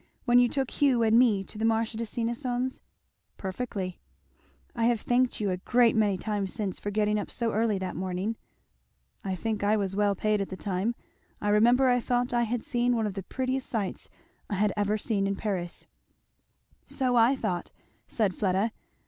when you took Hugh and me to the Marché des Innocens?" "Perfectly." "I have thanked you a great many times since for getting up so early that morning." "I think I was well paid at the time. I remember I thought I had seen one of the prettiest sights I had even seen in Paris." "So I thought!" said Fleda.